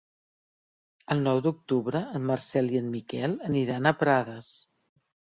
El nou d'octubre en Marcel i en Miquel aniran a Prades.